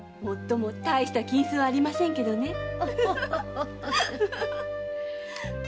もっとも大した金子はありませんけどね。